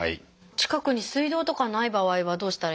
近くに水道とかない場合はどうしたらいいですか？